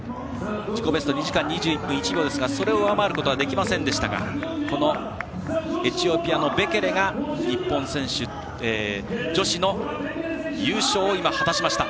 自己ベスト２時間２１分１秒ですがそれを上回ることはできませんでしたがこのエチオピアのベケレが女子の優勝を果たしました。